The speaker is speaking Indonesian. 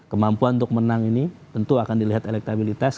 kemampuan untuk menang ini tentu akan dilihat elektabilitas